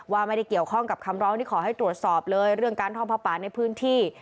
ว่าไม่ได้เกี่ยวข้องกับคำร้องที่ขอให้ตรวจสอบเลยเรื่องการท่องผ้าป่าในพื้นที่